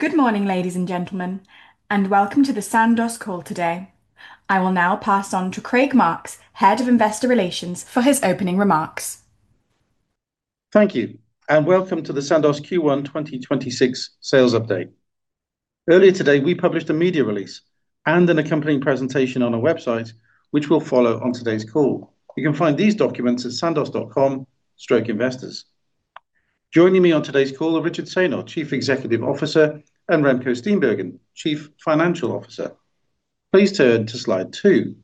Good morning, ladies and gentlemen, and welcome to the Sandoz call today. I will now pass on to Craig Marks, Head of Investor Relations, for his opening remarks. Thank you. Welcome to the Sandoz Q1 2026 Sales Update. Earlier today, we published a media release and an accompanying presentation on our website, which will follow on today's call. You can find these documents at sandoz.com/investors. Joining me on today's call are Richard Saynor, Chief Executive Officer, and Remco Steenbergen, Chief Financial Officer. Please turn to Slide two.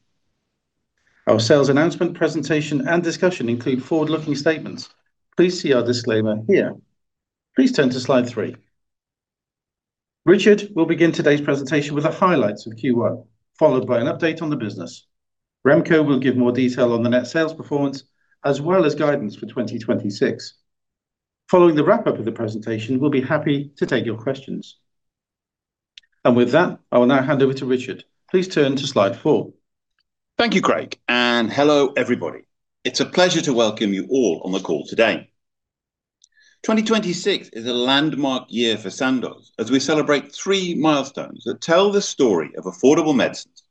Our sales announcement presentation and discussion include forward-looking statements. Please see our disclaimer here. Please turn to Slide three. Richard will begin today's presentation with the highlights of Q1, followed by an update on the business. Remco will give more detail on the net sales performance, as well as guidance for 2026. Following the wrap-up of the presentation, we'll be happy to take your questions. With that, I will now hand over to Richard. Please turn to Slide four. Thank you, Craig, and hello, everybody. It's a pleasure to welcome you all on the call today. 2026 is a landmark year for Sandoz as we celebrate three milestones that tell the story of affordable medicines.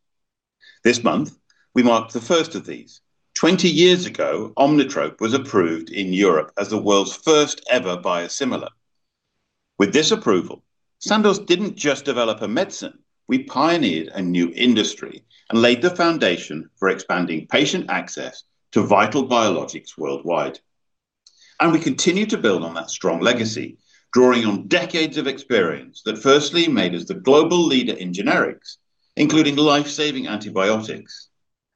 This month, we marked the first of these. 20 years ago, Omnitrope was approved in Europe as the world's first ever biosimilar. With this approval, Sandoz didn't just develop a medicine, we pioneered a new industry and laid the foundation for expanding patient access to vital biologics worldwide. We continue to build on that strong legacy, drawing on decades of experience that firstly made us the global leader in generics, including life-saving antibiotics.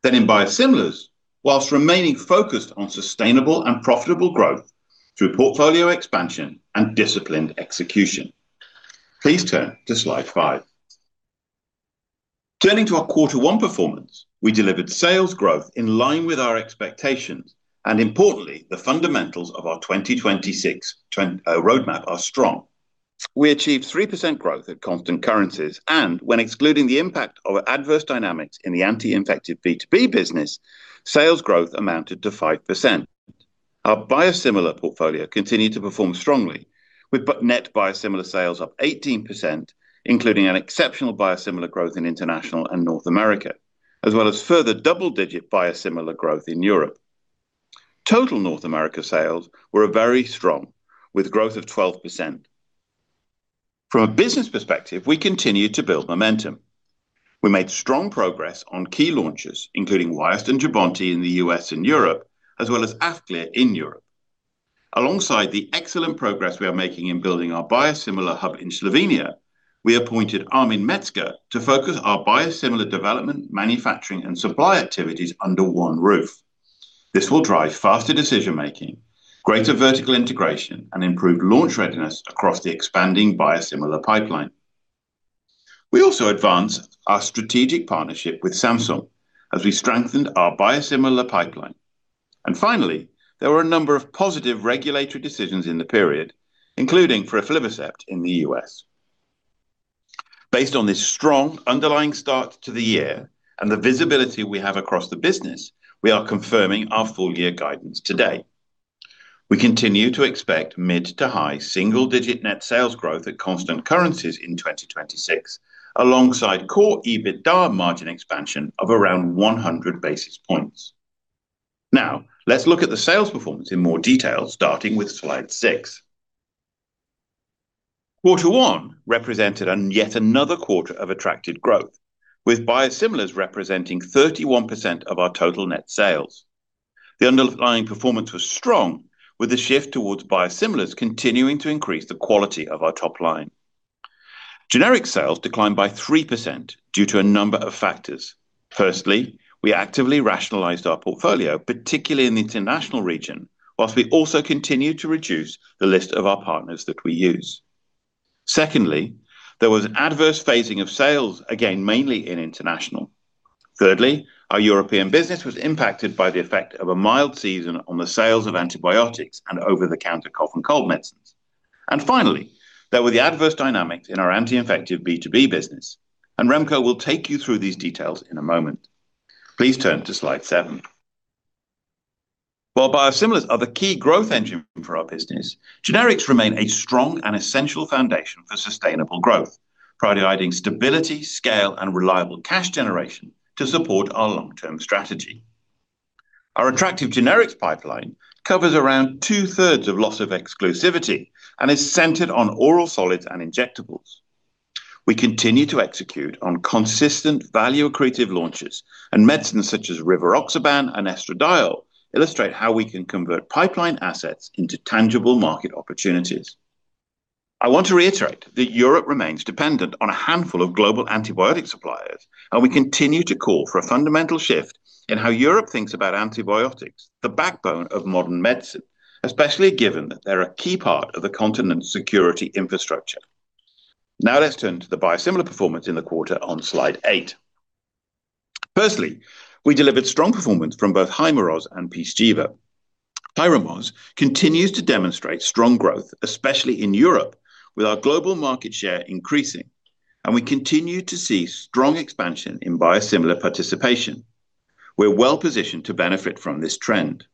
In biosimilars, whilst remaining focused on sustainable and profitable growth through portfolio expansion and disciplined execution. Please turn to Slide five. Turning to our quarter one performance, we delivered sales growth in line with our expectations, and importantly, the fundamentals of our 2026 trend roadmap are strong. We achieved 3% growth at constant currencies and when excluding the impact of adverse dynamics in the anti-infective B2B business, sales growth amounted to 5%. Our biosimilar portfolio continued to perform strongly with net biosimilar sales up 18%, including an exceptional biosimilar growth in International and North America, as well as further double-digit biosimilar growth in Europe. Total North America sales were very strong, with growth of 12%. From a business perspective, we continued to build momentum. We made strong progress on key launches, including Wyost and Jubbonti in the U.S. and Europe, as well as Afqlir in Europe. Alongside the excellent progress we are making in building our biosimilar hub in Slovenia, we appointed Armin Metzger to focus our biosimilar development, manufacturing, and supply activities under one roof. This will drive faster decision-making, greater vertical integration, and improved launch readiness across the expanding biosimilar pipeline. We also advanced our strategic partnership with Samsung as we strengthened our biosimilar pipeline Finally, there were a number of positive regulatory decisions in the period, including for Eflornithine in the U.S. Based on this strong underlying start to the year and the visibility we have across the business, we are confirming our full year guidance today. We continue to expect mid to high single-digit net sales growth at constant currencies in 2026, alongside core EBITDA margin expansion of around 100 basis points. Now, let's look at the sales performance in more detail, starting with Slide six. Quarter one represented an yet another quarter of accelerated growth, with biosimilars representing 31% of our total net sales. The underlying performance was strong, with the shift towards biosimilars continuing to increase the quality of our top line. Generic sales declined by 3% due to a number of factors. Firstly, we actively rationalized our portfolio, particularly in the international region, while we also continued to reduce the list of our partners that we use. Secondly, there was adverse phasing of sales, again, mainly in international. Thirdly, our European business was impacted by the effect of a mild season on the sales of antibiotics and over-the-counter cough and cold medicines. Finally, there were the adverse dynamics in our anti-infective B2B business. Remco will take you through these details in a moment. Please turn to Slide seven. While biosimilars are the key growth engine for our business, generics remain a strong and essential foundation for sustainable growth, providing stability, scale, and reliable cash generation to support our long-term strategy. Our attractive generics pipeline covers around two-thirds of loss of exclusivity and is centered on oral solids and injectables. We continue to execute on consistent value creative launches and medicines such as rivaroxaban and estradiol illustrate how we can convert pipeline assets into tangible market opportunities. I want to reiterate that Europe remains dependent on a handful of global antibiotic suppliers. We continue to call for a fundamental shift in how Europe thinks about antibiotics, the backbone of modern medicine, especially given that they're a key part of the continent's security infrastructure. Now let's turn to the biosimilar performance in the quarter on Slide eight. Firstly, we delivered strong performance from both Hyrimoz and Pyzchiva. Hyrimoz continues to demonstrate strong growth, especially in Europe, with our global market share increasing. We continue to see strong expansion in biosimilar participation. We are well-positioned to benefit from this trend.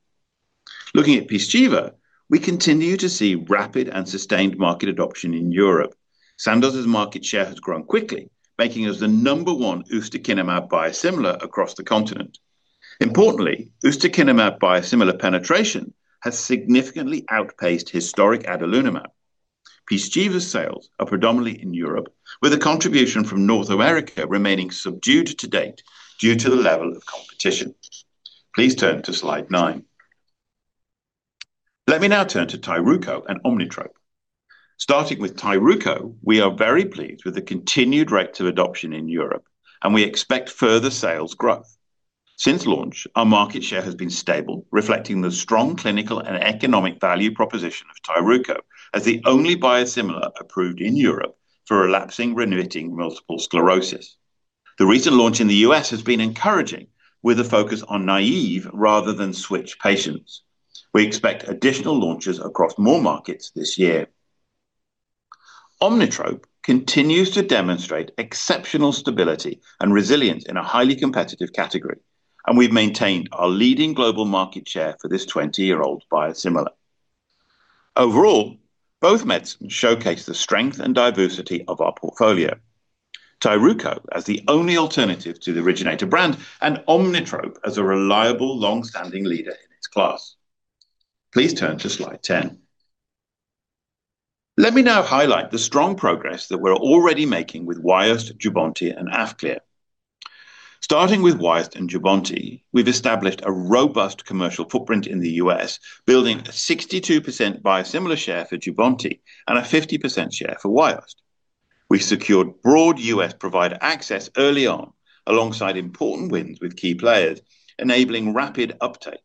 Looking at Pyzchiva, we continue to see rapid and sustained market adoption in Europe. Sandoz's market share has grown quickly, making us the number one ustekinumab biosimilar across the continent. Importantly, ustekinumab biosimilar penetration has significantly outpaced historic adalimumab. Pyzchiva's sales are predominantly in Europe, with a contribution from North America remaining subdued to date due to the level of competition. Please turn to Slide nine. Let me now turn to Tyruko and Omnitrope. Starting with Tyruko, we are very pleased with the continued rate of adoption in Europe. We expect further sales growth. Since launch, our market share has been stable, reflecting the strong clinical and economic value proposition of Tyruko as the only biosimilar approved in Europe for relapsing remitting multiple sclerosis. The recent launch in the U.S. has been encouraging, with a focus on naive rather than switch patients. We expect additional launches across more markets this year. Omnitrope continues to demonstrate exceptional stability and resilience in a highly competitive category, and we've maintained our leading global market share for this 20-year-old biosimilar. Overall, both medicines showcase the strength and diversity of our portfolio. Tyruko as the only alternative to the originator brand, and Omnitrope as a reliable long-standing leader in its class. Please turn to slide 10. Let me now highlight the strong progress that we're already making with Wyost, Jubbonti, and Afqlir. Starting with Wyost and Jubbonti, we've established a robust commercial footprint in the U.S., building a 62% biosimilar share for Jubbonti and a 50% share for Wyost. We've secured broad U.S. provider access early on, alongside important wins with key players, enabling rapid uptake.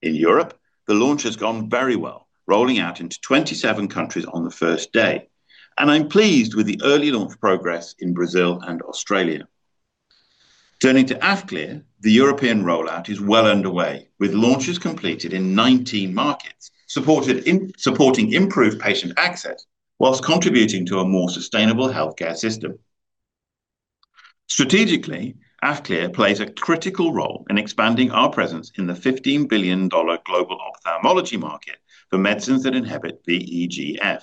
In Europe, the launch has gone very well, rolling out into 27 countries on the first day, and I'm pleased with the early launch progress in Brazil and Australia. Turning to Afqlir, the European rollout is well underway, with launches completed in 19 markets, supporting improved patient access whilst contributing to a more sustainable healthcare system. Strategically, Afqlir plays a critical role in expanding our presence in the $15 billion global ophthalmology market for medicines that inhibit the VEGF.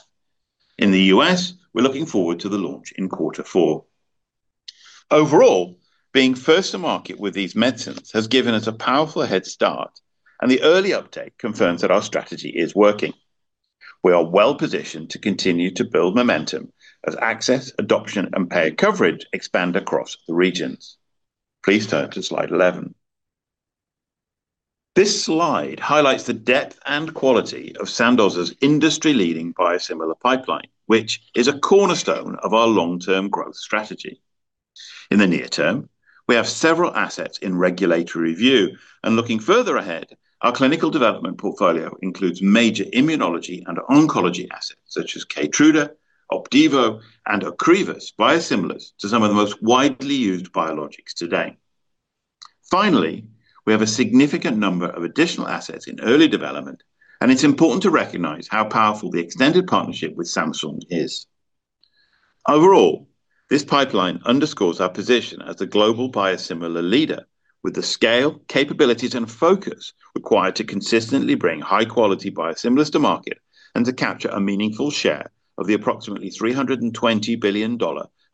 In the U.S., we're looking forward to the launch in quarter four. Overall, being first to market with these medicines has given us a powerful head start, and the early uptake confirms that our strategy is working. We are well-positioned to continue to build momentum as access, adoption, and paid coverage expand across the regions. Please turn to slide 11. This slide highlights the depth and quality of Sandoz's industry-leading biosimilar pipeline, which is a cornerstone of our long-term growth strategy. In the near term, we have several assets in regulatory review. Looking further ahead, our clinical development portfolio includes major immunology and oncology assets such as Keytruda, Opdivo, and Ocrevus biosimilars to some of the most widely used biologics today. Finally, we have a significant number of additional assets in early development, and it's important to recognize how powerful the extended partnership with Samsung is. Overall, this pipeline underscores our position as the global biosimilar leader with the scale, capabilities, and focus required to consistently bring high quality biosimilars to market and to capture a meaningful share of the approximately $320 billion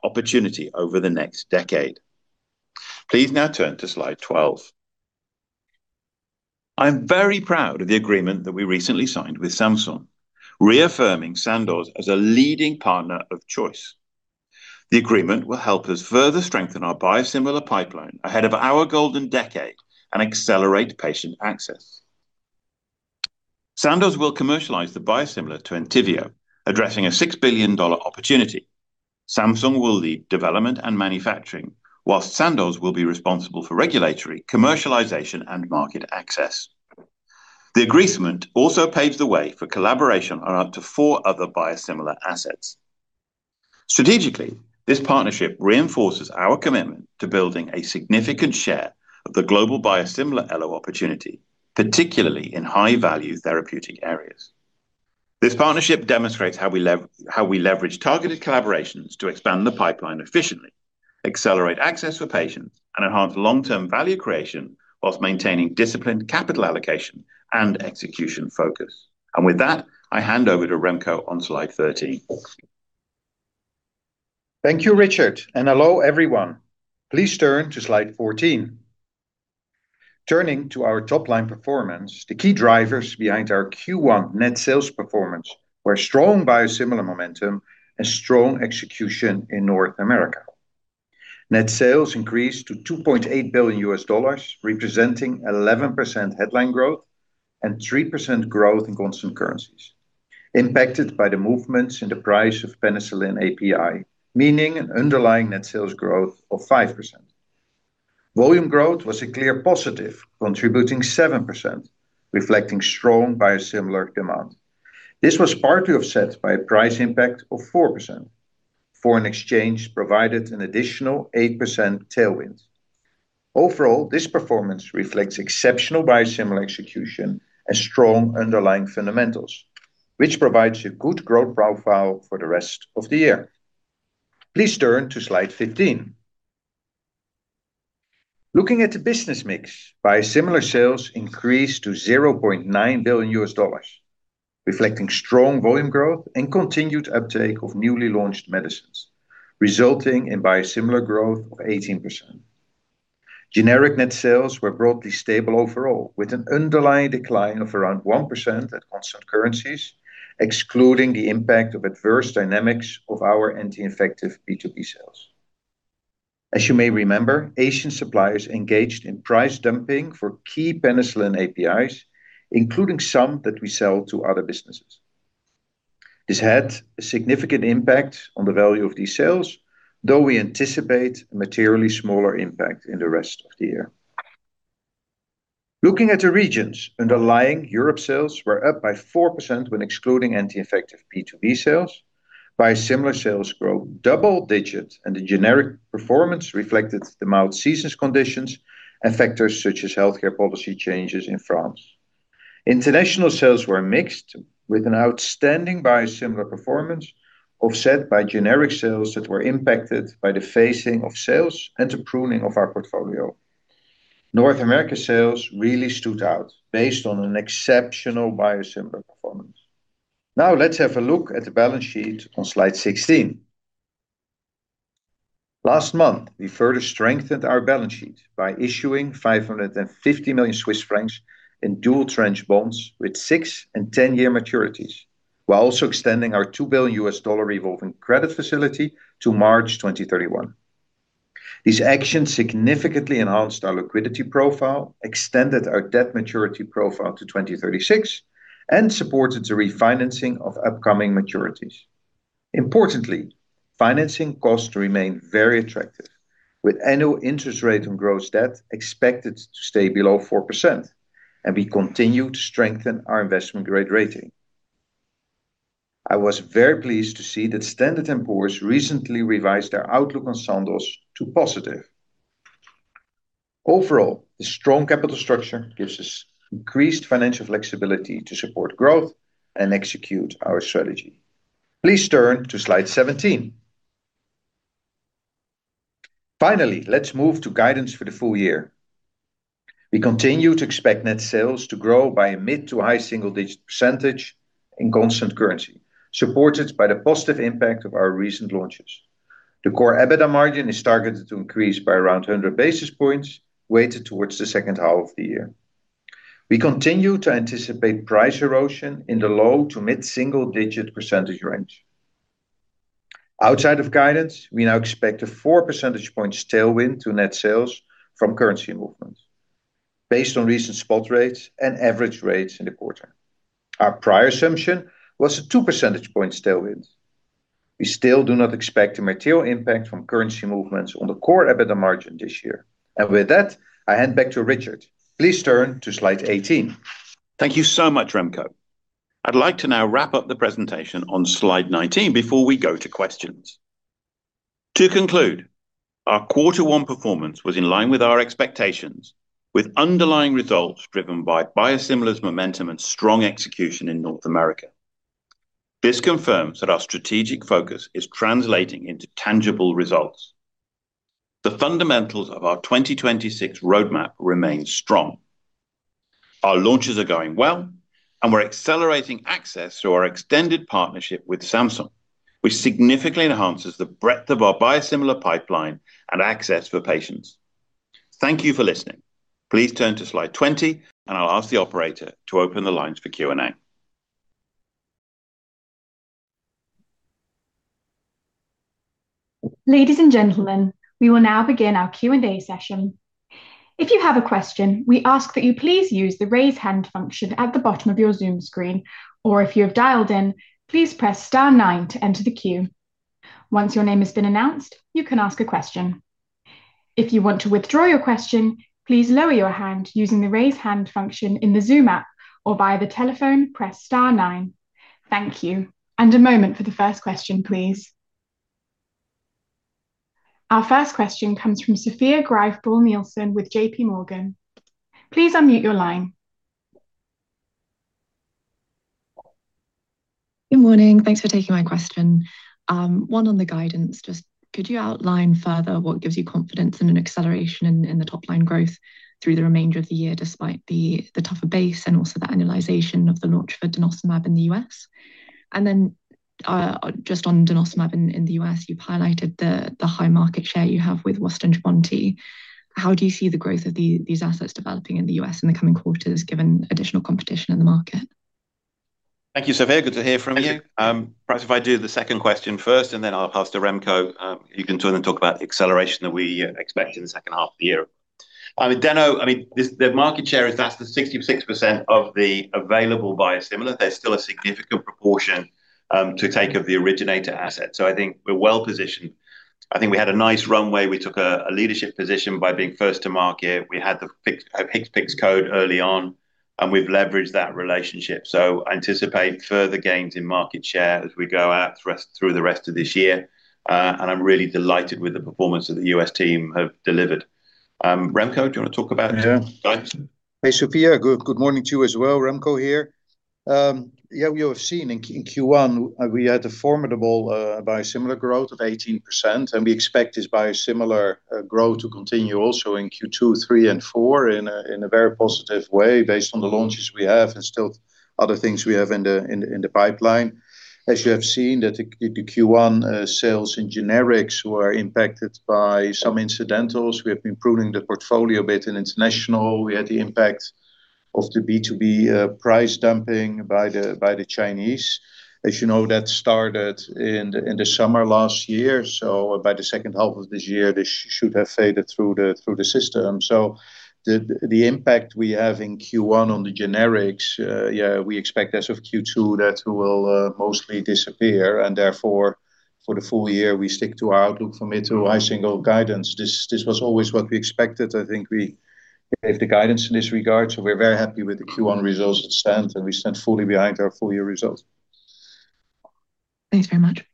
opportunity over the next decade. Please now turn to slide 12. I'm very proud of the agreement that we recently signed with Samsung, reaffirming Sandoz as a leading partner of choice. The agreement will help us further strengthen the biosimilar pipeline ahead of our golden decade and accelerate patient access. Sandoz will commercialize the biosimilar to ENTYVIO, addressing a $6 billion opportunity. Samsung will lead development and manufacturing, while Sandoz will be responsible for regulatory, commercialization, and market access. The agreement also paves the way for collaboration on up to four other biosimilar assets. Strategically, this partnership reinforces our commitment to building a significant share of the global biosimilar LO opportunity, particularly in high-value therapeutic areas. This partnership demonstrates how we leverage targeted collaborations to expand the pipeline efficiently, accelerate access for patients, and enhance long-term value creation while maintaining disciplined capital allocation and execution focus. With that, I hand over to Remco on slide 13. Thank you, Richard, and hello, everyone. Please turn to slide 14. Turning to our top-line performance, the key drivers behind our Q1 net sales performance were strong biosimilar momentum and strong execution in North America. Net sales increased to $2.8 billion, representing 11% headline growth and 3% growth in constant currencies, impacted by the movements in the price of penicillin API, meaning an underlying net sales growth of 5%. Volume growth was a clear positive, contributing 7%, reflecting strong biosimilar demand. This was partly offset by a price impact of 4%. Foreign exchange provided an additional 8% tailwind. Overall, this performance reflects exceptional biosimilar execution and strong underlying fundamentals, which provides a good growth profile for the rest of the year. Please turn to slide 15. Looking at the business mix, biosimilar sales increased to $0.9 billion, reflecting strong volume growth and continued uptake of newly launched medicines, resulting in biosimilar growth of 18%. Generic net sales were broadly stable overall, with an underlying decline of around 1% at constant currencies, excluding the impact of adverse dynamics of our anti-infective B2B sales. As you may remember, Asian suppliers engaged in price dumping for key penicillin APIs, including some that we sell to other businesses. This had a significant impact on the value of these sales, though we anticipate a materially smaller impact in the rest of the year. Looking at the regions, underlying Europe sales were up by 4% when excluding anti-infective B2B sales. Biosimilar sales grow double digits. The generic performance reflected the mild seasons conditions and factors such as healthcare policy changes in France. International sales were mixed with an outstanding biosimilar performance, offset by generic sales that were impacted by the phasing of sales and the pruning of our portfolio. North America sales really stood out based on an exceptional biosimilar performance. Let's have a look at the balance sheet on slide 16. Last month, we further strengthened our balance sheet by issuing 550 million Swiss francs in dual tranche bonds with six and 10-year maturities, while also extending our $2 billion revolving credit facility to March 2031. These actions significantly enhanced our liquidity profile, extended our debt maturity profile to 2036, and supported the refinancing of upcoming maturities. Financing costs remain very attractive, with annual interest rate on gross debt expected to stay below 4%, and we continue to strengthen our investment-grade rating. I was very pleased to see that Standard & Poor's recently revised their outlook on Sandoz to positive. The strong capital structure gives us increased financial flexibility to support growth and execute our strategy. Please turn to slide 17. Let's move to guidance for the full year. We continue to expect net sales to grow by a mid to high single-digit percentage in constant currency, supported by the positive impact of our recent launches. The core EBITDA margin is targeted to increase by around 100 basis points, weighted towards the second half of the year. We continue to anticipate price erosion in the low to mid single-digit percentage range. Outside of guidance, we now expect a 4 percentage point tailwind to net sales from currency movements based on recent spot rates and average rates in the quarter. Our prior assumption was a 2 percentage point tailwind. We still do not expect a material impact from currency movements on the core EBITDA margin this year. With that, I hand back to Richard. Please turn to slide 18. Thank you so much, Remco. I'd like to now wrap up the presentation on slide 19 before we go to questions. To conclude, our Q1 performance was in line with our expectations, with underlying results driven by biosimilars momentum and strong execution in North America. This confirms that our strategic focus is translating into tangible results. The fundamentals of our 2026 roadmap remain strong. Our launches are going well, and we're accelerating access through our extended partnership with Samsung, which significantly enhances the breadth of our biosimilar pipeline and access for patients. Thank you for listening. Please turn to slide 20, and I'll ask the operator to open the lines for Q&A. Ladies and gentlemen, we will now begin our Q&A session. If you have a question, we ask that you please use the raise hand function at the bottom of your Zoom screen, or if you have dialed in, please press star nine to enter the queue. Once your name has been announced, you can ask a question. If you want to withdraw your question, please lower your hand using the raise hand function in the Zoom app or via the telephone, press star nine. Thank you. A moment for the first question, please. Our first question comes from Sophia Graeff Buhl-Nielsen with JPMorgan. Please unmute your line. Good morning. Thanks for taking my question. One on the guidance. Just could you outline further what gives you confidence in an acceleration in the top line growth through the remainder of the year despite the tougher base and also the annualization of the launch for denosumab in the U.S.? Just on denosumab in the U.S., you've highlighted the high market share you have with Washington County. How do you see the growth of these assets developing in the U.S. in the coming quarters given additional competition in the market? Thank you, Sophia. Good to hear from you. Perhaps if I do the second question first, and then I'll pass to Remco. You can turn and talk about the acceleration that we expect in the second half of the year. The market share is that's the 66% of the available biosimilar. There's still a significant proportion to take of the originator asset. I think we're well-positioned. I think we had a nice runway. We took a leadership position by being first to market. We had the PICs code early on, and we've leveraged that relationship. Anticipate further gains in market share as we go out through the rest of this year. I'm really delighted with the performance that the U.S. team have delivered. Remco, do you want to talk about? Yeah guidance? Hey, Sophia. Good morning to you as well. Remco here. Yeah, we have seen in Q1, we had a formidable biosimilar growth of 18%, and we expect this biosimilar growth to continue also in Q2, Q3, and Q4 in a very positive way based on the launches we have and still other things we have in the pipeline. As you have seen that the Q1 sales in generics were impacted by some incidentals. We have been pruning the portfolio a bit in international. We had the impact of the B2B price dumping by the Chinese. As you know, that started in the summer last year. By the second half of this year, this should have faded through the system. The impact we have in Q1 on the generics, we expect as of Q2 that will mostly disappear. Therefore, for the full year, we stick to our outlook for mid to high single guidance. This was always what we expected. I think we gave the guidance in this regard. We're very happy with the Q1 results it stands, and we stand fully behind our full-year results. Thanks very much.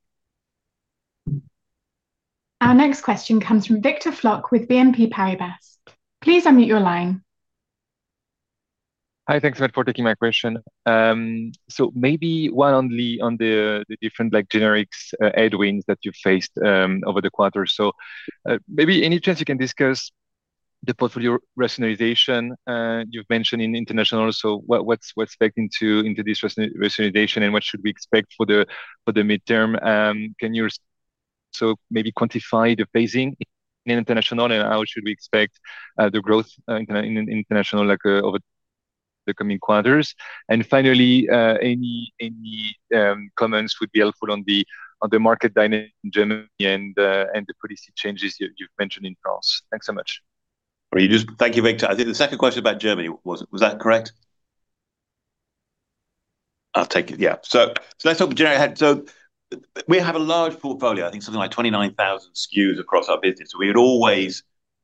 Our next question comes from Victor Floc'h with BNP Paribas. Please unmute your line. Hi. Thanks so much for taking my question. Maybe one only on the different, like, generics headwinds that you faced over the quarter. Maybe any chance you can discuss the portfolio rationalization you've mentioned in international? What's expecting to into this rationalization, and what should we expect for the midterm? Can you so maybe quantify the phasing in international, and how should we expect the growth in international, like, over the coming quarters? Finally, any comments would be helpful on the market dynamic in Germany and the policy changes you've mentioned in France. Thanks so much. Thank you, Victor. I think the second question about Germany. Was that correct? I'll take it. Yeah. Let's talk generally. We have a large portfolio. I think something like 29,000 SKUs across our business. We are always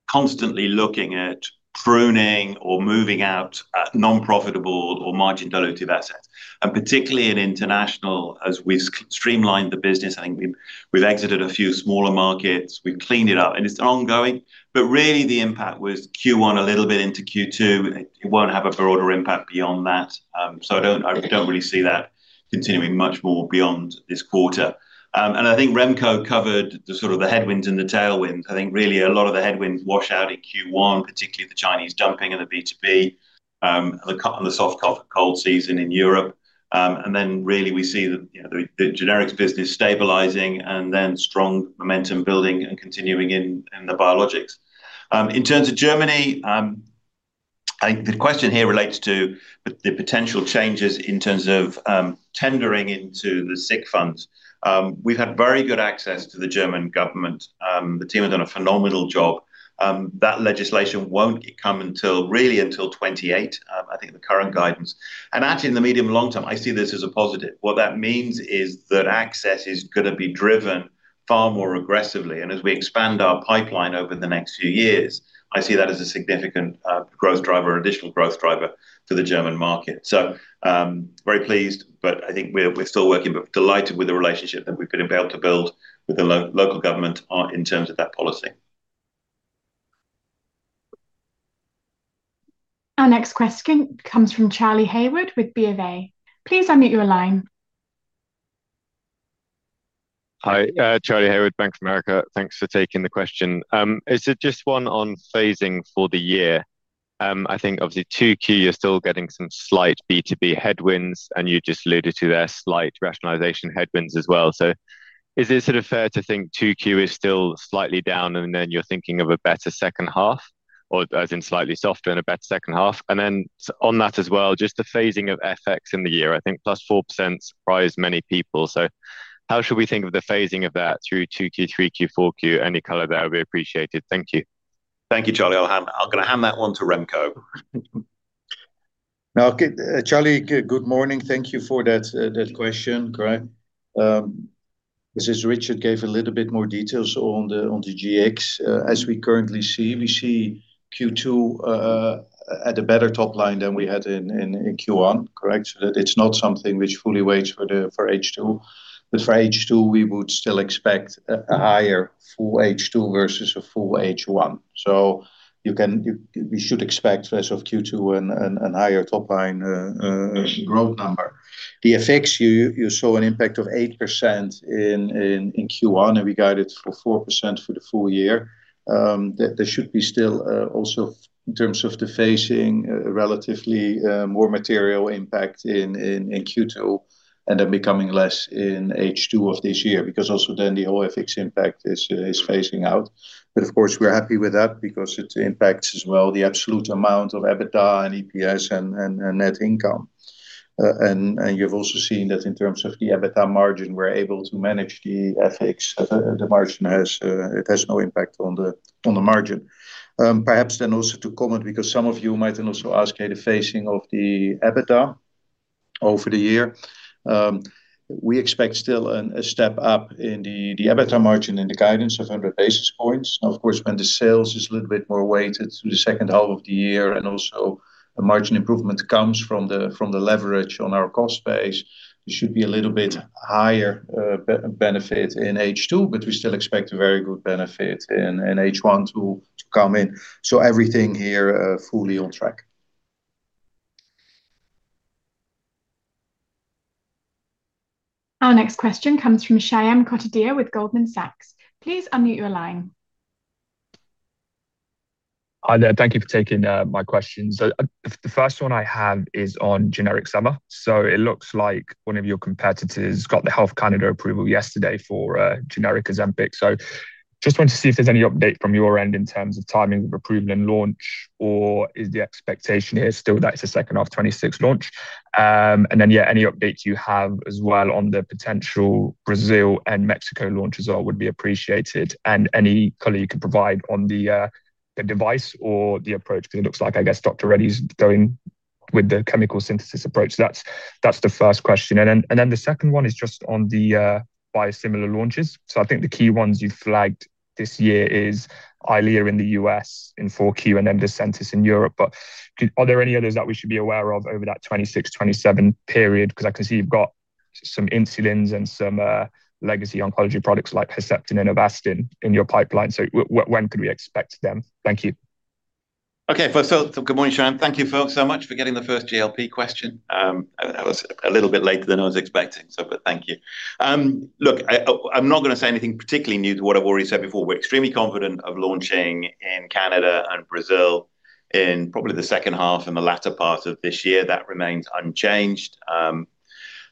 constantly looking at pruning or moving out non-profitable or margin dilutive assets, and particularly in international as we've streamlined the business. I think we've exited a few smaller markets. We've cleaned it up, and it's ongoing. Really the impact was Q1 a little bit into Q2. It won't have a broader impact beyond that. I don't really see that continuing much more beyond this quarter. I think Remco covered the sort of the headwinds and the tailwinds. I think really a lot of the headwinds wash out in Q1, particularly the Chinese dumping and the B2B, the cold season in Europe. Then really we see the generics business stabilizing and then strong momentum building and continuing in the biologics. In terms of Germany, I think the question here relates to the potential changes in terms of tendering into the sick funds. We've had very good access to the German government. The team have done a phenomenal job. That legislation won't come until really until 2028, I think the current guidance. Actually in the medium long term, I see this as a positive. What that means is that access is gonna be driven far more aggressively. As we expand our pipeline over the next few years, I see that as a significant growth driver, additional growth driver to the German market. Very pleased, but I think we're still working, but delighted with the relationship that we've been able to build with the local government in terms of that policy. Our next question comes from Charlie Haywood with BofA. Please unmute your line. Hi. Charlie Haywood, Bank of America. Thanks for taking the question. Is it just one on phasing for the year? I think obviously 2Q, you're still getting some slight B2B headwinds, and you just alluded to their slight rationalization headwinds as well. Is it sort of fair to think 2Q is still slightly down, and then you're thinking of a better second half, or as in slightly softer and a better second half? On that as well, just the phasing of FX in the year, I think +4% surprised many people. How should we think of the phasing of that through 2Q, 3Q, 4Q? Any color there would be appreciated. Thank you. Thank you, Charlie. I'm gonna hand that one to Remco. Charlie, good morning. Thank you for that question. Correct. As Richard gave a little bit more details on the GX. As we currently see, we see Q2 at a better top line than we had in Q1. Correct. That it's not something which fully weighs for H2. For H2, we would still expect a higher full H2 versus a full H1. You should expect as of Q2 an higher top line growth number. The FX, you saw an impact of 8% in Q1, and we guided for 4% for the full year. There should be still also in terms of the phasing, relatively more material impact in Q2 and then becoming less in H2 of this year because also then the whole FX impact is phasing out. Of course, we're happy with that because it impacts as well the absolute amount of EBITDA and EPS and net income. You've also seen that in terms of the EBITDA margin, we're able to manage the FX. The margin has no impact on the margin. Perhaps also to comment because some of you might then also ask the phasing of the EBITDA over the year. We expect still a step up in the EBITDA margin in the guidance of 100 basis points. Of course, when the sales is a little bit more weighted through the second half of the year and also the margin improvement comes from the leverage on our cost base, it should be a little bit higher benefit in H2, but we still expect a very good benefit in H1 to come in. Everything here fully on track. Our next question comes from Shyam Kotadia with Goldman Sachs. Please unmute your line. Hi there. Thank you for taking my questions. The first one I have is on generic semaglutide. It looks like one of your competitors got the Health Canada approval yesterday for generic Ozempic. Just wanted to see if there's any update from your end in terms of timing of approval and launch, or is the expectation here still that it's the second half 2026 launch? Yeah, any updates you have as well on the potential Brazil and Mexico launches would be appreciated. Any color you could provide on the device or the approach, because it looks like, I guess, Dr. Reddy's going with the chemical synthesis approach. That's the first question. The second one is just on the biosimilar launches. I think the key ones you flagged this year is EYLEA in the U.S. in 4Q, and then Lucentis in Europe. Are there any others that we should be aware of over that 2026, 2027 period? Because I can see you've got some insulins and some legacy oncology products like Herceptin and Avastin in your pipeline. When could we expect them? Thank you. Okay. First of all, good morning, Shyam. Thank you, folks, so much for getting the 1st GLP question. That was a little bit later than I was expecting. Thank you. Look, I'm not gonna say anything particularly new to what I've already said before. We're extremely confident of launching in Canada and Brazil in probably the second half and the latter part of this year. That remains unchanged.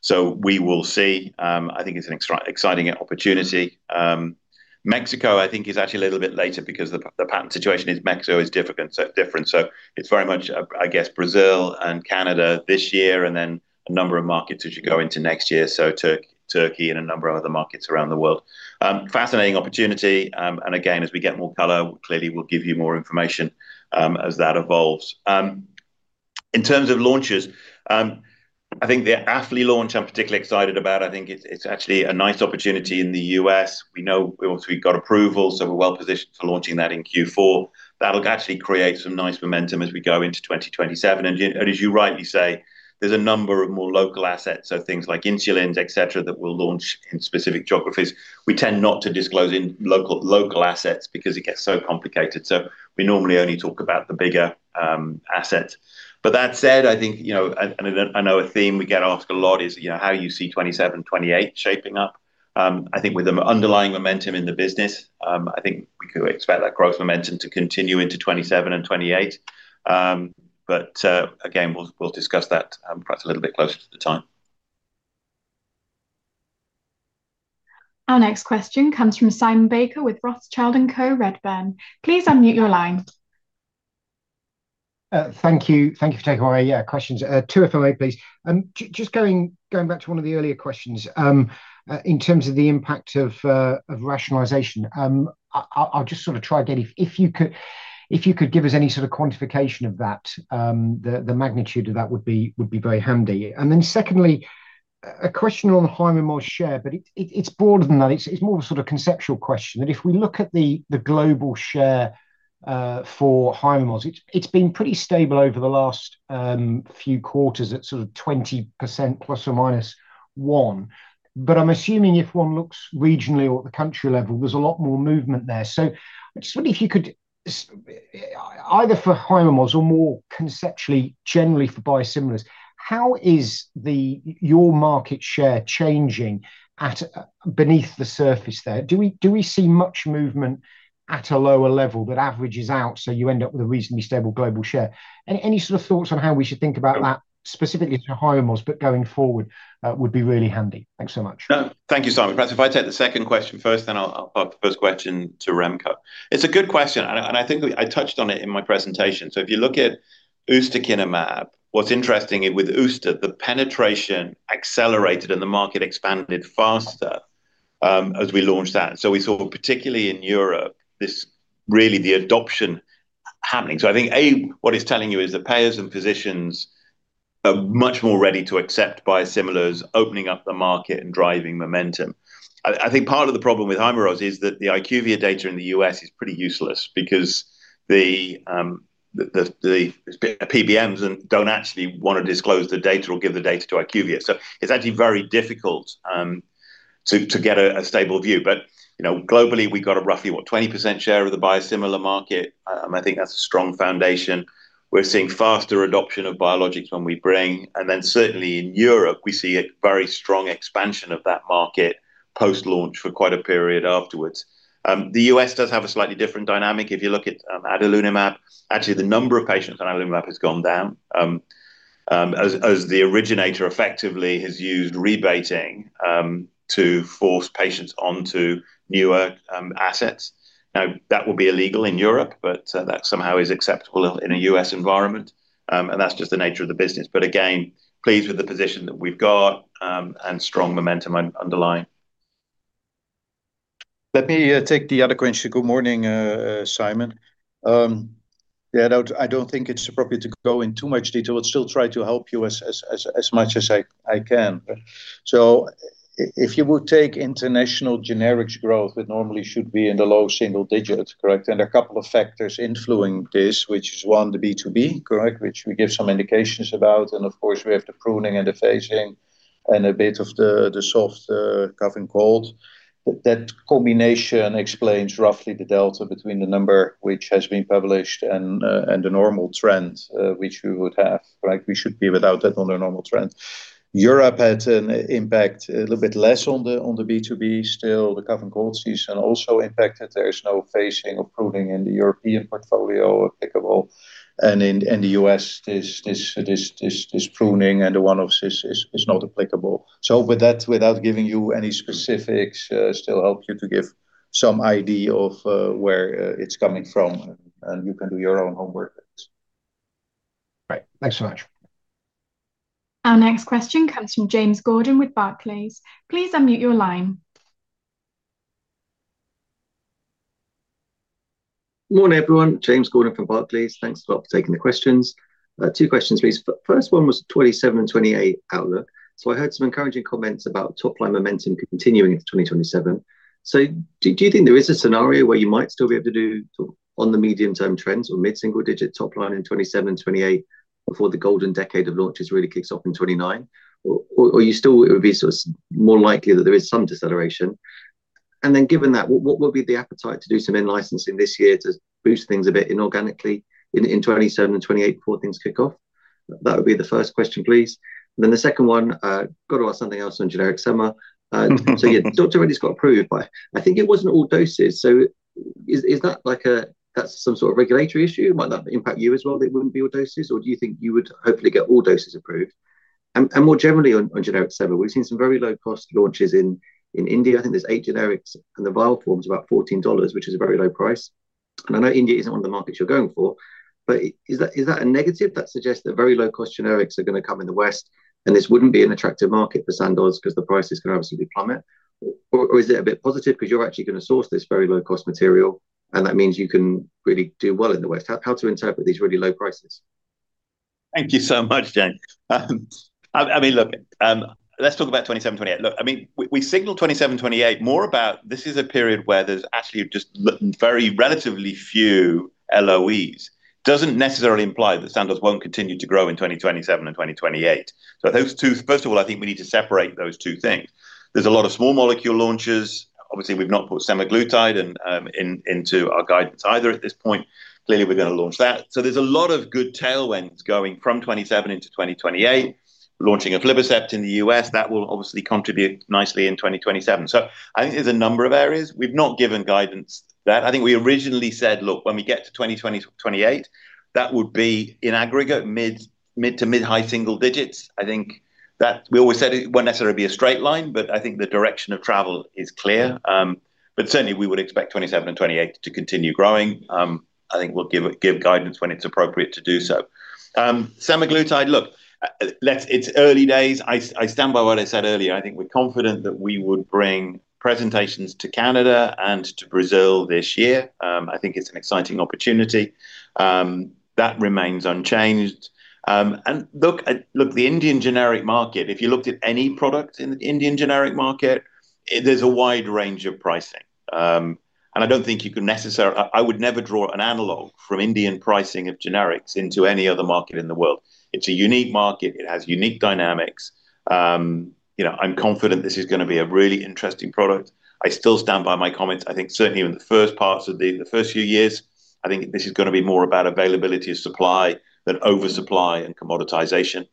We will see. I think it's an exciting opportunity. Mexico, I think, is actually a little bit later because the patent situation in Mexico is different. It's very much, I guess, Brazil and Canada this year and then a number of markets as you go into next year, Turkey and a number of other markets around the world. Fascinating opportunity. Again, as we get more color, clearly we'll give you more information as that evolves. In terms of launches, I think the Afqlir launch I'm particularly excited about. I think it's actually a nice opportunity in the U.S. We've obviously got approval, so we're well positioned to launching that in Q4. That'll actually create some nice momentum as we go into 2027. As you rightly say, there's a number of more local assets, so things like insulins, et cetera, that we'll launch in specific geographies. We tend not to disclose in local assets because it gets so complicated. We normally only talk about the bigger assets. That said, I think, you know, I know a theme we get asked a lot is, you know, how you see 2027, 2028 shaping up. I think with the underlying momentum in the business, I think we could expect that growth momentum to continue into 2027 and 2028. Again, we'll discuss that perhaps a little bit closer to the time. Our next question comes from Simon Baker with Rothschild & Co Redburn. Please unmute your line. Thank you. Thank you for taking my questions. Two if I may please. Just going back to one of the earlier questions, in terms of the impact of rationalization, if you could give us any sort of quantification of that, the magnitude of that would be very handy. Secondly, a question on Hyrimoz share, but it's broader than that. It's more of a sort of conceptual question. If we look at the global share for Hyrimoz, it's been pretty stable over the last few quarters at sort of 20% ±1. I'm assuming if one looks regionally or at the country level, there's a lot more movement there. I'm just wondering if you could either for Hyrimoz or more conceptually, generally for biosimilars, how is your market share changing at beneath the surface there? Do we see much movement at a lower level that averages out so you end up with a reasonably stable global share? Any sort of thoughts on how we should think about that specifically to Hyrimoz, but going forward, would be really handy. Thanks so much. Thank you, Simon. Perhaps if I take the second question first, I'll put the first question to Remco. It's a good question, and I think I touched on it in my presentation. If you look at ustekinumab, what's interesting with usta, the penetration accelerated and the market expanded faster as we launched that. We saw, particularly in Europe, this really the adoption happening. I think, A, what it's telling you is the payers and physicians are much more ready to accept biosimilars opening up the market and driving momentum. I think part of the problem with Hyrimoz is that the IQVIA data in the U.S. is pretty useless because the PBMs don't actually want to disclose the data or give the data to IQVIA. It's actually very difficult to get a stable view. You know, globally, 20% share of the biosimilar market. I think that's a strong foundation. We're seeing faster adoption of biologics when we bring. Certainly in Europe, we see a very strong expansion of that market post-launch for quite a period afterwards. The U.S. does have a slightly different dynamic. If you look at adalimumab, actually the number of patients on adalimumab has gone down, as the originator effectively has used rebating to force patients onto newer assets. That will be illegal in Europe, but that somehow is acceptable in a U.S. environment, and that's just the nature of the business. Again, pleased with the position that we've got, and strong momentum underlying. Let me take the other question. Good morning, Simon. Yeah, I don't think it's appropriate to go in too much detail. I'll still try to help you as much as I can. If you would take international generics growth, it normally should be in the low single digits. Correct? A couple of factors influencing this, which is one, the B2B, correct, which we give some indications about. Of course, we have the pruning and the phasing and a bit of the soft cough and cold. That combination explains roughly the delta between the number which has been published and the normal trend which we would have, right? We should be without that under normal trend. Europe had an impact a little bit less on the B2B. Still the Covid gold season also impacted. There is no phasing of pruning in the European portfolio applicable. In the U.S., this pruning and the one-offs is not applicable. With that, without giving you any specifics, still helps you to give some idea of where it's coming from, and you can do your own homework. Right. Thanks so much. Our next question comes from James Gordon with Barclays. Please unmute your line. Morning, everyone. James Gordon from Barclays. Thanks a lot for taking the questions. Two questions, please. First one was 2027 and 2028 outlook. I heard some encouraging comments about top line momentum continuing into 2027. Do you think there is a scenario where you might still be able to do sort of on the medium-term trends or mid-single-digit top line in 2027 and 2028 before the golden decade of launches really kicks off in 2029? You still it would be sort of more likely that there is some deceleration? Given that, what would be the appetite to do some in-licensing this year to boost things a bit inorganically in 2027 and 2028 before things kick off? That would be the first question, please. The second one, got to ask something else on generic sema. Yeah, the Dr. Reddy's got approved, but I think it was not all doses. Is that like that's some sort of regulatory issue? Might that impact you as well that it would not be all doses, or do you think you would hopefully get all doses approved? More generally on generic Sema, we have seen some very low cost launches in India. I think there is eight generics and the vial form is about $14, which is a very low price. I know India is not one of the markets you are going for, but is that a negative that suggests that very low cost generics are going to come in the West and this would not be an attractive market for Sandoz because the prices can obviously plummet? Is it a bit positive because you're actually going to source this very low cost material and that means you can really do well in the West? How to interpret these really low prices? Thank you so much, James. I mean, look, let's talk about 2027 and 2028. Look, I mean, we signal 2027 and 2028 more about this is a period where there's actually just very relatively few LOEs. Doesn't necessarily imply that Sandoz won't continue to grow in 2027 and 2028. First of all, I think we need to separate those two things. There's a lot of small molecule launches. Obviously, we've not put semaglutide in, into our guidance either at this point. Clearly, we're going to launch that. There's a lot of good tailwinds going from 2027 into 2028. Launching aflibercept in the U.S., that will obviously contribute nicely in 2027. I think there's a number of areas. We've not given guidance. I think we originally said, "Look, when we get to 2020, 2028, that would be in aggregate mid to mid-high single digits." I think that we always said it won't necessarily be a straight line, but I think the direction of travel is clear. Certainly, we would expect 2027 and 2028 to continue growing. I think we'll give guidance when it's appropriate to do so. Semaglutide, look, it's early days. I stand by what I said earlier. I think we're confident that we would bring presentations to Canada and to Brazil this year. I think it's an exciting opportunity. That remains unchanged. Look, the Indian generic market, if you looked at any product in the Indian generic market, there's a wide range of pricing. I would never draw an analog from Indian pricing of generics into any other market in the world. It's a unique market. It has unique dynamics. You know, I'm confident this is gonna be a really interesting product. I still stand by my comments. I think certainly in the first parts of the first few years, I think this is gonna be more about availability of supply than oversupply and commoditization.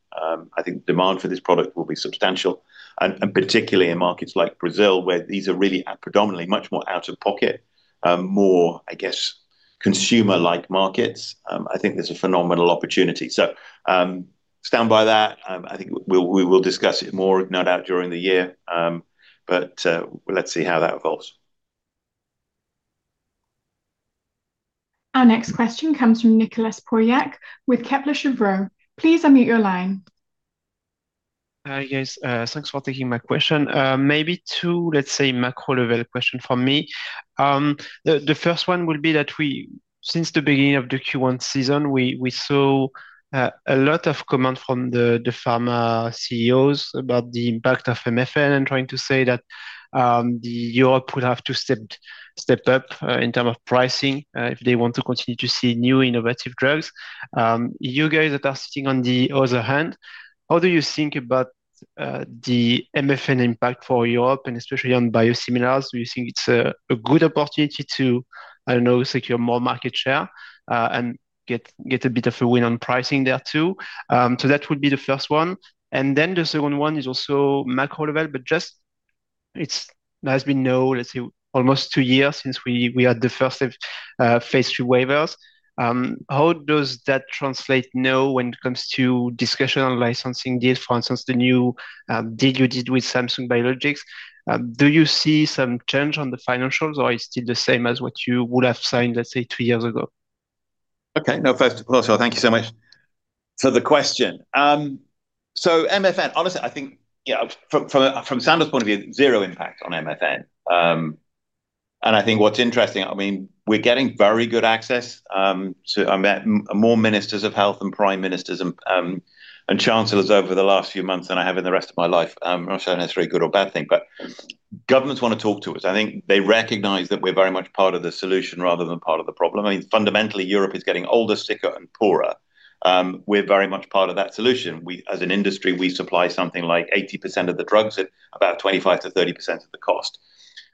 I think demand for this product will be substantial, and particularly in markets like Brazil, where these are really predominantly much more out-of-pocket, more, I guess, consumer-like markets. I think there's a phenomenal opportunity. Stand by that. I think we will discuss it more, no doubt, during the year. Let's see how that evolves. Our next question comes from Nicolas Pauillac with Kepler Cheuvreux. Please unmute your line. Hi, guys. Thanks for taking my question. Maybe two, let's say macro level question from me. The first one will be that since the beginning of the Q1 season, we saw a lot of comment from the pharma CEOs about the impact of MFN and trying to say that Europe will have to step up in term of pricing if they want to continue to see new innovative drugs. You guys that are sitting on the other hand, how do you think about the MFN impact for Europe and especially on biosimilars? Do you think it's a good opportunity to, I don't know, secure more market share and get a bit of a win on pricing there too? That would be the first one. The second one is also macro level, but just it's been, let's say, almost two years since we had the first of phase III waivers. How does that translate now when it comes to discussion on licensing deals? For instance, the new deal you did with Samsung Biologics. Do you see some change on the financials or is it still the same as what you would have signed, let's say, two years ago? Okay. No, first of all, thank you so much for the question. MFN, honestly, I think, you know, from Sandoz point of view, zero impact on MFN. I think what's interesting, I mean, we're getting very good access to. I met more ministers of health and prime ministers and chancellors over the last few months than I have in the rest of my life. I'm not sure that's a very good or bad thing, governments wanna talk to us. I think they recognize that we're very much part of the solution rather than part of the problem. I mean, fundamentally, Europe is getting older, sicker, and poorer. We're very much part of that solution. As an industry, we supply something like 80% of the drugs at about 25%-30% of the cost.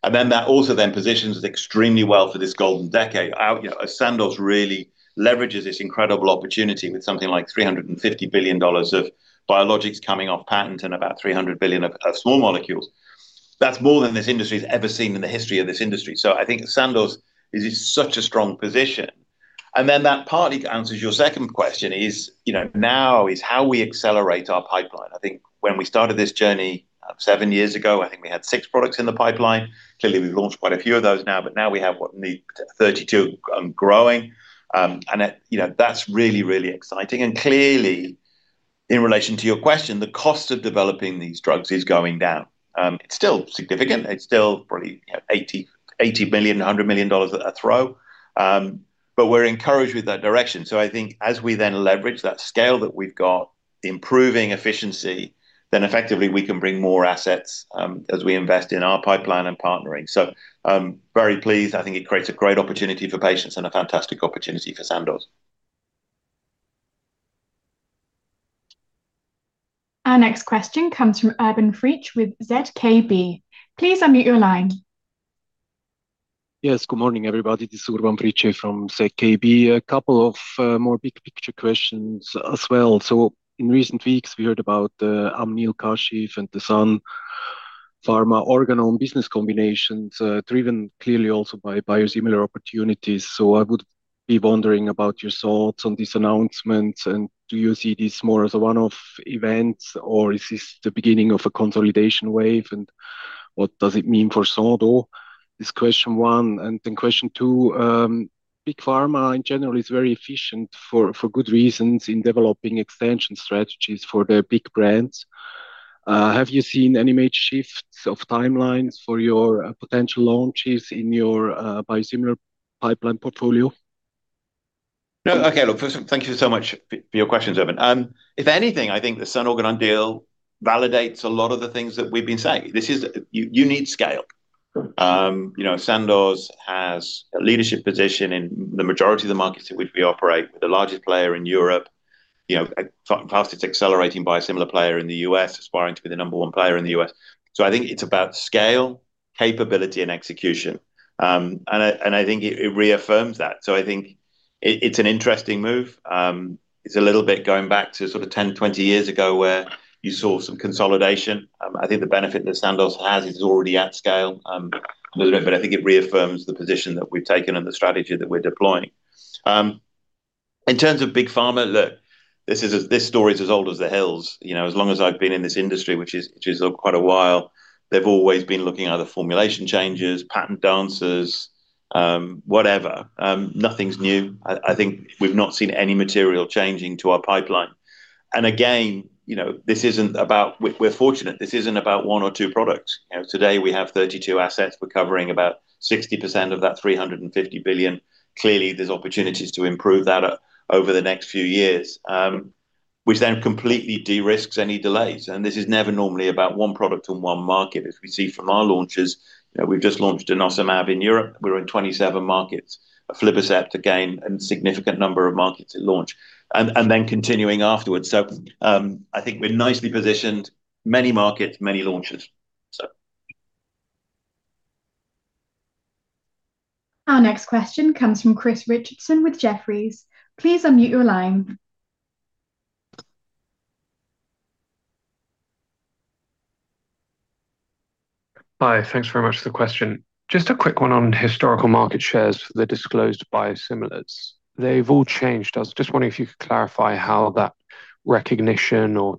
That also then positions us extremely well for this golden decade. You know, as Sandoz really leverages this incredible opportunity with something like $350 billion of biologics coming off patent and about $300 billion of small molecules. That's more than this industry's ever seen in the history of this industry. I think Sandoz is in such a strong position. That partly answers your second question is, you know, now is how we accelerate our pipeline. I think when we started this journey seven years ago, I think we had six products in the pipeline. Clearly, we've launched quite a few of those now, but now we have, what, near 32, growing. You know, that's really, really exciting. Clearly, in relation to your question, the cost of developing these drugs is going down. It's still significant. It's still probably $100 million a throw. We're encouraged with that direction. I think as we then leverage that scale that we've got, improving efficiency, then effectively we can bring more assets, as we invest in our pipeline and partnering. I'm very pleased. I think it creates a great opportunity for patients and a fantastic opportunity for Sandoz. Our next question comes from Urban Fritsche with ZKB. Please unmute your line. Yes. Good morning, everybody. This is Urban Fritsche from ZKB. A couple of more big picture questions as well. In recent weeks, we heard about the Amneal-Kashiv and the Sun Pharma Organon business combinations, driven clearly also by biosimilar opportunities. I would be wondering about your thoughts on this announcement, and do you see this more as a one-off event, or is this the beginning of a consolidation wave, and what does it mean for Sandoz? Is question one. Then question two, big pharma in general is very efficient for good reasons in developing extension strategies for their big brands. Have you seen any major shifts of timelines for your potential launches in your biosimilar pipeline portfolio? No. Okay. Look, first, thank you so much for your questions, Urban. If anything, I think the Sun Organon deal validates a lot of the things that we've been saying. You need scale. You know, Sandoz has a leadership position in the majority of the markets in which we operate. We're the largest player in Europe, you know, fast, it's accelerating biosimilar player in the U.S., aspiring to be the number one player in the U.S. I think it's about scale, capability and execution. And I think it reaffirms that. I think it's an interesting move. It's a little bit going back to sort of 10, 20 years ago where you saw some consolidation. I think the benefit that Sandoz has is already at scale a little bit, but I think it reaffirms the position that we've taken and the strategy that we're deploying. In terms of big pharma, look, this story's as old as the hills. You know, as long as I've been in this industry, which is, which is quite a while, they've always been looking at either formulation changes, patent dances, whatever. Nothing's new. I think we've not seen any material changing to our pipeline. Again, you know, we're fortunate. This isn't about one or two products. You know, today we have 32 assets. We're covering about 60% of that $350 billion. Clearly, there's opportunities to improve that over the next few years, which completely de-risks any delays. This is never normally about one product and one market. As we see from our launches, you know, we've just launched denosumab in Europe. We're in 27 markets. filgrastim, again, a significant number of markets at launch, and then continuing afterwards. I think we're nicely positioned, many markets, many launches. Our next question comes from Christopher Richardson with Jefferies. Please unmute your line. Hi. Thanks very much for the question. Just a quick one on historical market shares for the disclosed biosimilars. They've all changed. I was just wondering if you could clarify how that recognition or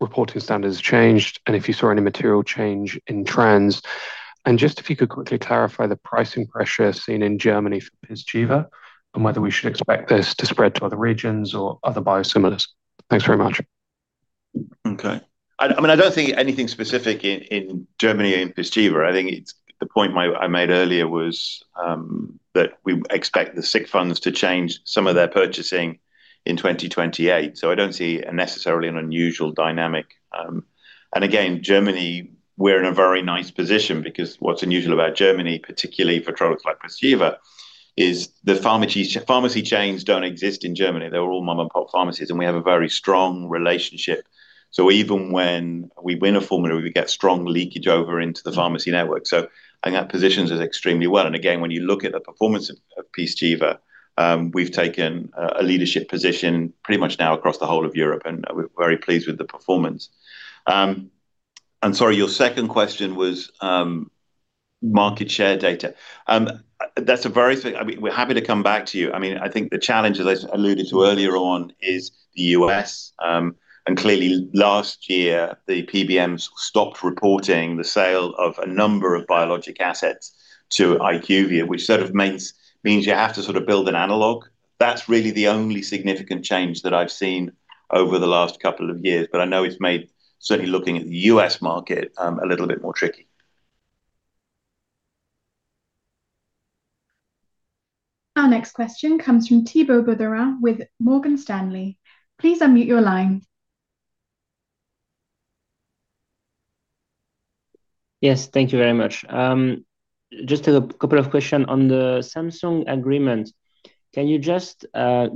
reporting standards changed and if you saw any material change in trends. Just if you could quickly clarify the pricing pressure seen in Germany for Pyzchiva and whether we should expect this to spread to other regions or other biosimilars. Thanks very much. Okay. I mean, I don't think anything specific in Germany in Pyzchiva. I think it's the point I made earlier was that we expect the sick funds to change some of their purchasing in 2028. I don't see a necessarily an unusual dynamic. Again, Germany, we're in a very nice position because what's unusual about Germany, particularly for products like Pyzchiva, is that pharmacy chains don't exist in Germany. They're all mom and pop pharmacies, and we have a very strong relationship. Even when we win a formulary, we get strong leakage over into the pharmacy network. I think that positions us extremely well. Again, when you look at the performance of Pyzchiva, we've taken a leadership position pretty much now across the whole of Europe, and we're very pleased with the performance. Sorry, your second question was market share data. I mean, we're happy to come back to you. I mean, I think the challenge, as I alluded to earlier on, is the U.S., and clearly last year, the PBMs stopped reporting the sale of a number of biologic assets to IQVIA, which sort of means you have to sort of build an analog. That's really the only significant change that I've seen over the last couple of years. I know it's made certainly looking at the U.S. market a little bit more tricky. Our next question comes from Thibault Boutherin with Morgan Stanley. Please unmute your line. Thank you very much. Just a couple of question on the Samsung agreement. Can you just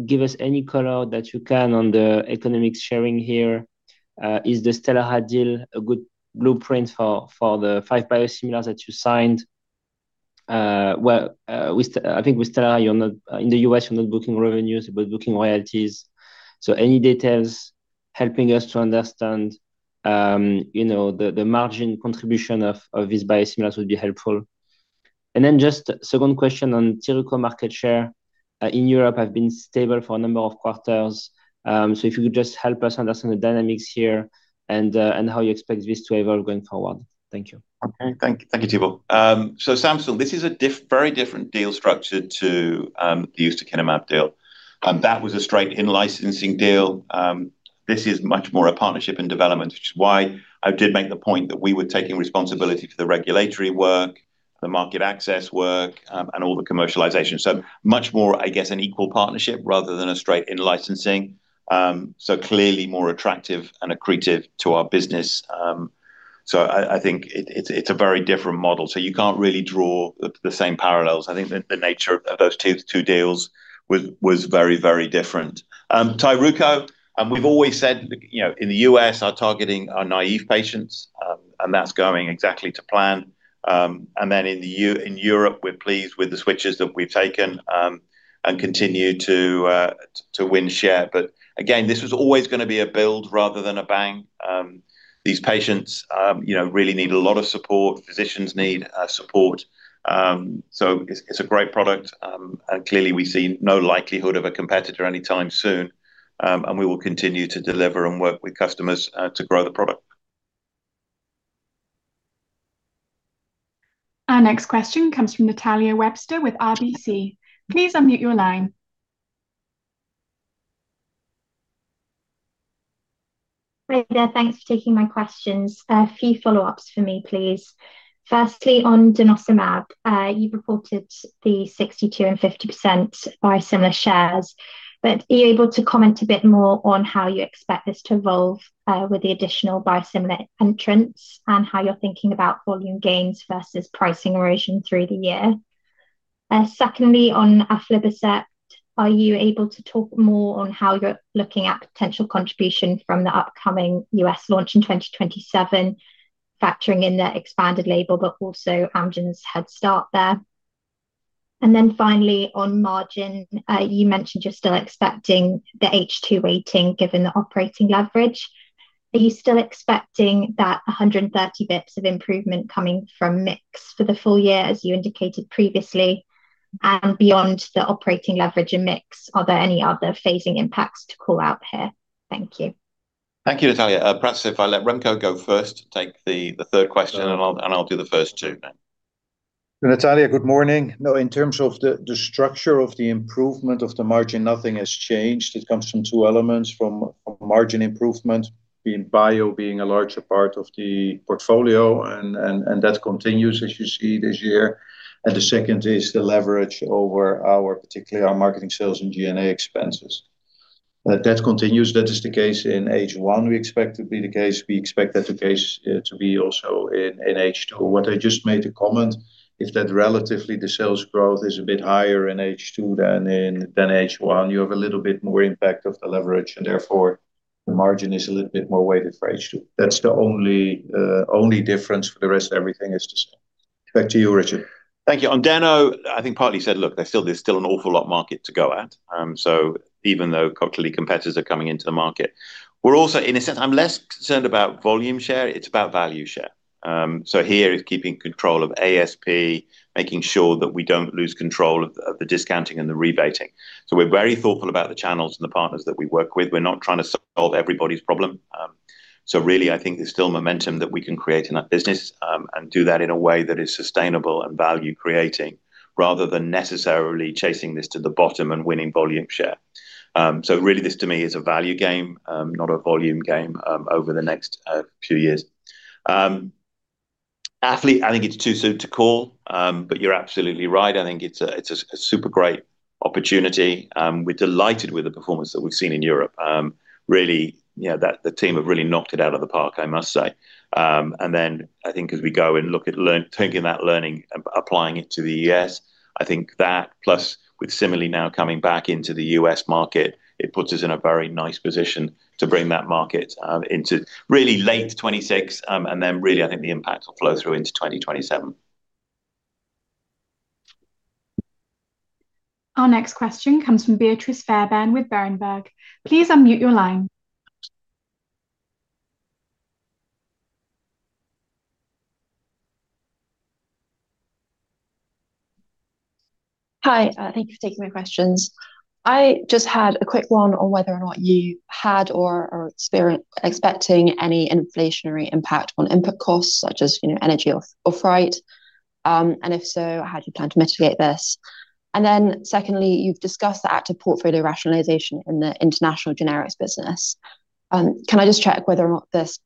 give us any color that you can on the economic sharing here? Is the Stelara deal a good blueprint for the five biosimilars that you signed? Well, with Stelara you're not, in the U.S. you're not booking revenues, you're booking royalties. Any details helping us to understand, you know, the margin contribution of these biosimilars would be helpful. Just second question on Tyruko market share. In Europe have been stable for a number of quarters. If you could just help us understand the dynamics here and how you expect this to evolve going forward. Thank you. Okay. Thank you Thibault. Sandoz, this is a very different deal structure to the ustekinumab deal. That was a straight in-licensing deal. This is much more a partnership and development. Which is why I did make the point that we were taking responsibility for the regulatory work, the market access work, and all the commercialization. Much more, I guess, an equal partnership rather than a straight in-licensing. Clearly more attractive and accretive to our business. I think it's a very different model. You can't really draw the same parallels. I think the nature of those two deals was very different. Tyruko, we've always said, you know, in the U.S. our targeting are naive patients, and that's going exactly to plan. In Europe we're pleased with the switches that we've taken and continue to win share. Again, this was always going to be a build rather than a bang. These patients, you know, really need a lot of support. Physicians need support. It's a great product. Clearly we see no likelihood of a competitor anytime soon. We will continue to deliver and work with customers to grow the product. Our next question comes from Natalia Webster with RBC. Please unmute your line. Hey there. Thanks for taking my questions. A few follow-ups for me please. Firstly, on denosumab, you reported the 62% and 50% biosimilar shares. Are you able to comment a bit more on how you expect this to evolve with the additional biosimilar entrants and how you're thinking about volume gains versus pricing erosion through the year? Secondly, on aflibercept, are you able to talk more on how you're looking at potential contribution from the upcoming U.S. launch in 2027, factoring in the expanded label but also Amgen's head start there? Finally, on margin, you mentioned you're still expecting the H2 weighting given the operating leverage. Are you still expecting that 130 basis points of improvement coming from mix for the full year as you indicated previously? Beyond the operating leverage and mix, are there any other phasing impacts to call out here? Thank you. Thank you, Natalia. Perhaps if I let Remco go first to take the third question and I'll do the first two then. Natalia, good morning. No, in terms of the structure of the improvement of the margin, nothing has changed. It comes from two elements. From margin improvement, being bio being a larger part of the portfolio and that continues as you see this year. The second is the leverage over our particularly our marketing, sales and G&A expenses. That continues. That is the case in H1 we expect to be the case. We expect that the case to be also in H2. What I just made a comment is that relatively the sales growth is a bit higher in H2 than H1. You have a little bit more impact of the leverage and therefore the margin is a little bit more weighted for H2. That's the only difference. For the rest, everything is the same. Back to you, Richard. Thank you. On denosumab, I think partly you said, look, there's still an awful lot market to go at. Even though clearly competitors are coming into the market. We're also, in a sense I'm less concerned about volume share, it's about value share. Here is keeping control of ASP, making sure that we don't lose control of the discounting and the rebating. We're very thoughtful about the channels and the partners that we work with. We're not trying to solve everybody's problem. Really I think there's still momentum that we can create in that business and do that in a way that is sustainable and value creating, rather than necessarily chasing this to the bottom and winning volume share. Really this to me is a value game, not a volume game, over the next few years. Afqlir, I think it's too soon to call. You're absolutely right. I think it's a super great opportunity. We're delighted with the performance that we've seen in Europe. Really, you know, that the team have really knocked it out of the park, I must say. I think as we go and look at taking that learning, applying it to the U.S., I think that plus with Cimerli now coming back into the U.S. market, it puts us in a very nice position to bring that market into really late 2026, really I think the impact will flow through into 2027. Our next question comes from Beatrice Fairbairn with Berenberg. Please unmute your line. Hi. Thank you for taking my questions. I just had a quick one on whether or not you had or are expecting any inflationary impact on input costs such as, you know, energy or freight. If so, how do you plan to mitigate this? Secondly, you've discussed the active portfolio rationalization in the international generics business. Can I just check whether or not this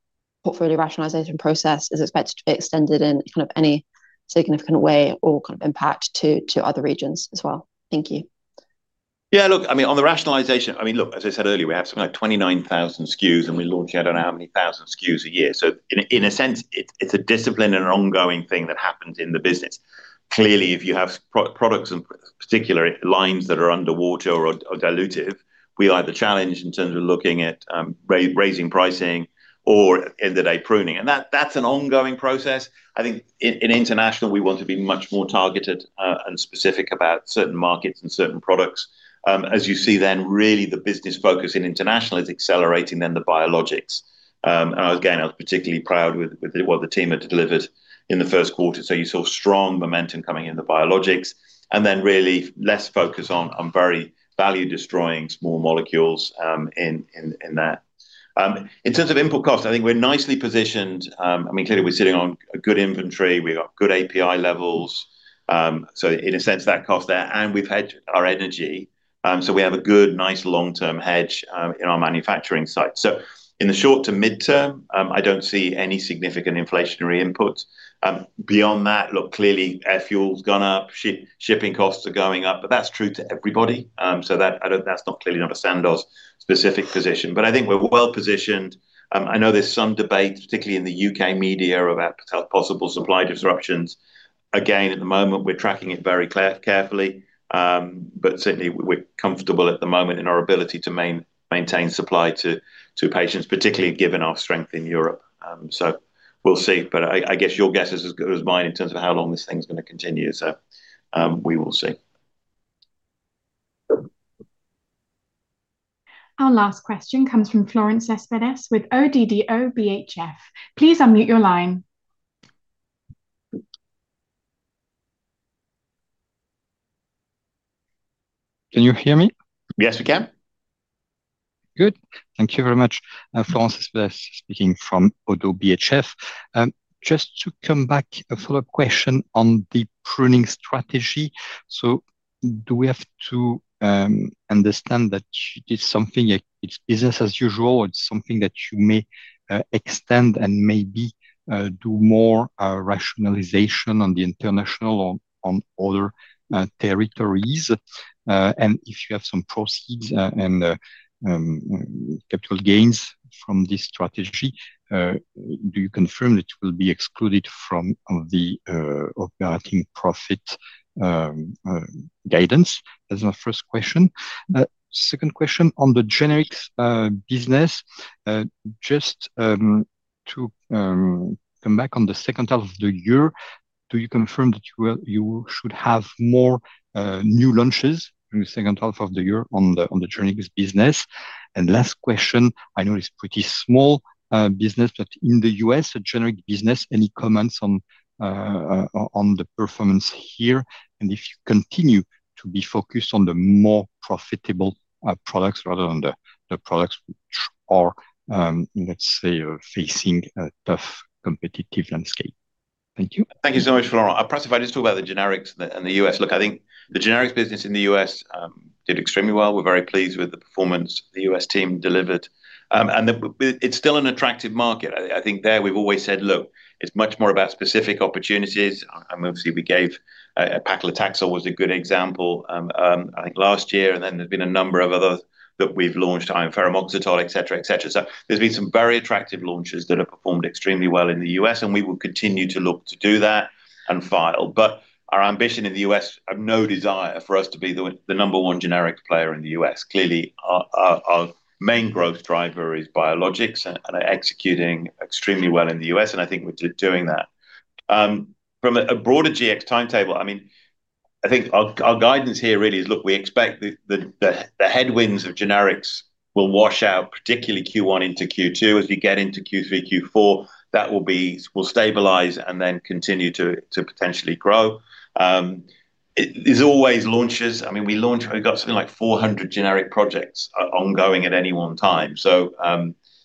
portfolio rationalization process is expected to be extended in kind of any significant way or kind of impact to other regions as well? Thank you. Yeah, look, I mean, on the rationalization, I mean, look, as I said earlier, we have something like 29,000 SKUs and we launch I don't know how many thousand SKUs a year. In a sense, it's a discipline and an ongoing thing that happens in the business. Clearly, if you have pro-products and particular lines that are underwater or dilutive, we either challenge in terms of looking at raising pricing or end of day pruning. That's an ongoing process. I think in international, we want to be much more targeted and specific about certain markets and certain products. As you see then, really the business focus in international is accelerating then the biologics. Again, I was particularly proud with what the team had delivered in the first quarter. You saw strong momentum coming in the biologics and then really less focus on very value destroying small molecules in that. In terms of input costs, I think we're nicely positioned. I mean clearly we're sitting on a good inventory. We've got good API levels. In a sense that cost there, and we've hedged our energy. We have a good, nice long-term hedge in our manufacturing site. In the short to midterm, I don't see any significant inflationary inputs. Beyond that, look, clearly air fuel's gone up, shipping costs are going up, but that's true to everybody. That's not clearly not a Sandoz specific position. I think we're well-positioned. I know there's some debate, particularly in the U.K. media about possible supply disruptions. At the moment, we're tracking it very carefully. Certainly we're comfortable at the moment in our ability to maintain supply to patients, particularly given our strength in Europe. We'll see. I guess your guess is as good as mine in terms of how long this thing's going to continue. We will see. Our last question comes from Florent Cespedes with ODDO BHF. Please unmute your line. Can you hear me? Yes, we can. Good. Thank you very much. Florent Cespedes speaking from ODDO BHF. Just to come back, a follow-up question on the pruning strategy. Do we have to understand that you did something, it's business as usual. It's something that you may extend and maybe do more rationalization on the international or on other territories. And if you have some proceeds and capital gains from this strategy, do you confirm that it will be excluded from the operating profit guidance? That's my first question. Second question on the generics business. Just to come back on the second half of the year, do you confirm that you should have more new launches in the second half of the year on the generics business? Last question, I know it's pretty small, business, but in the U.S., generic business, any comments on the performance here, and if you continue to be focused on the more profitable, products rather than the products which are, let's say, facing a tough competitive landscape? Thank you. Thank you so much, Florent Cespedes. Perhaps if I just talk about the generics and the U.S. Look, I think the generics business in the U.S. did extremely well. We're very pleased with the performance the U.S. team delivered. It's still an attractive market. I think there we've always said, look, it's much more about specific opportunities. Obviously we gave Paclitaxel was a good example, I think last year, and then there's been a number of others that we've launched, ferumoxytol, et cetera, et cetera. There's been some very attractive launches that have performed extremely well in the U.S., and we will continue to look to do that and file. Our ambition in the U.S., no desire for us to be the number one generic player in the U.S. Clearly, our main growth driver is biologics and are executing extremely well in the U.S., I think we're doing that. From a broader GX timetable, I mean, I think our guidance here really is, look, we expect the headwinds of generics will wash out particularly Q1 into Q2. As we get into Q3, Q4, that will stabilize and then continue to potentially grow. It is always launches. I mean, we've got something like 400 generic projects ongoing at any one time.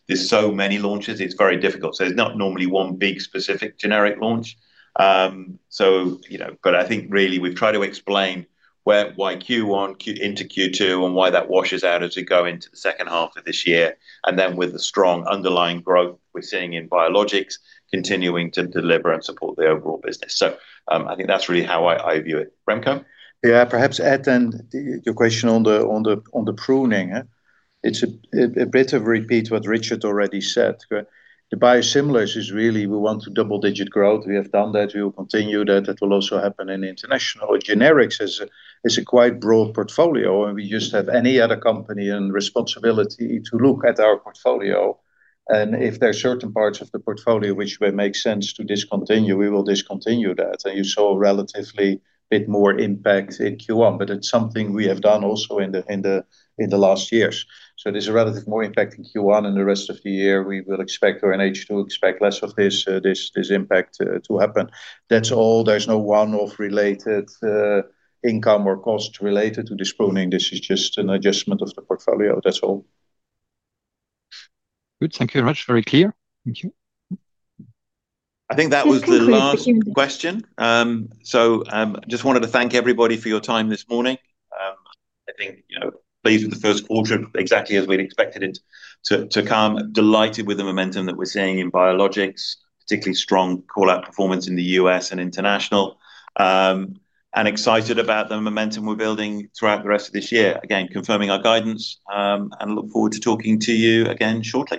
There's so many launches, it's very difficult. It's not normally one big specific generic launch. You know, I think really we've tried to explain why Q1 into Q2, why that washes out as we go into the second half of this year. With the strong underlying growth we're seeing in biologics continuing to deliver and support the overall business. I think that's really how I view it. Remco? Yeah. Perhaps add your question on the pruning, huh. It's a bit of repeat what Richard already said. The biosimilars is really we want to double-digit growth. We have done that. We will continue that. That will also happen in international. Generics is a quite broad portfolio, we just have any other company and responsibility to look at our portfolio. If there are certain parts of the portfolio which will make sense to discontinue, we will discontinue that. You saw relatively a bit more impact in Q1, but it's something we have done also in the last years. There's a relative more impact in Q1 and the rest of the year we will expect or H2 expect less of this impact to happen. That's all. There's no one-off related income or cost related to this pruning. This is just an adjustment of the portfolio. That's all. Good. Thank you very much. Very clear. Thank you. I think that was the last question. Just wanted to thank everybody for your time this morning. I think, you know, pleased with the first quarter exactly as we'd expected it to come. Delighted with the momentum that we're seeing in biologics, particularly strong call-out performance in the U.S. and international. Excited about the momentum we're building throughout the rest of this year. Again, confirming our guidance, look forward to talking to you again shortly.